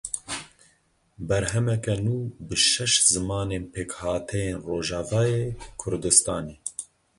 Berhemeke nû bi şeş zimanên pêkhateyên Rojavayê Kurdistanê.